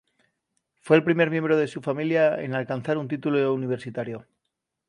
Fue el primer miembro de su familia en alcanzar un título universitario.